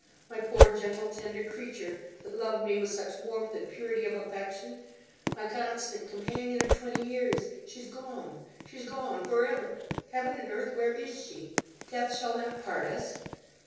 my poor, gentle, tender creature, that loved me with such warmth and purity of affection my constant companion of twenty years! She's gone she's gone for ever! Heaven and earth! where is she? Death shall not part us!